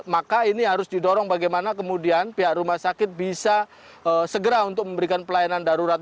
maka ini harus didorong bagaimana kemudian pihak rumah sakit bisa segera untuk memberikan pelayanan darurat